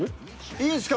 いいっすか？